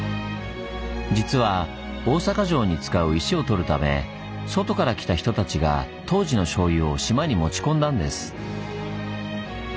実は大坂城に使う石をとるため外から来た人たちが当時のしょうゆを島に持ち込んだんです。